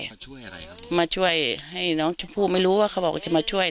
มาช่วยอะไรครับมาช่วยให้น้องชมพู่ไม่รู้ว่าเขาบอกว่าจะมาช่วย